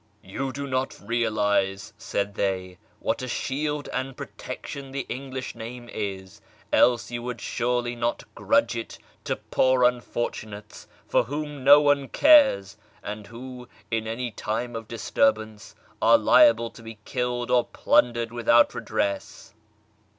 " You do not realise," said they, " what a shield and protection the English name is, else you would surely not grudge it to poor unfortunates for whom no one cares, and who in any time of disturbance are liable to be killed or plundered without redress."